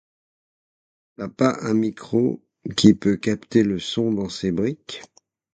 T'as pas un micro qui peut capter le son dans ces briques.